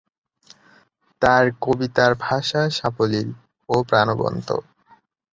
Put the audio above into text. তাঁর কবিতার ভাষা সাবলীল ও প্রাণবন্ত।